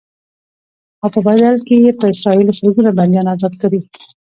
او په بدل کې به اسرائیل سلګونه بنديان ازاد کړي.